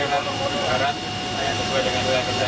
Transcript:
sesuai dengan wilayah kerja kita